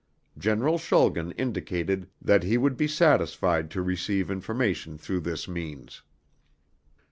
General Schulgen indicated that he would be satisfied to receive information through this means.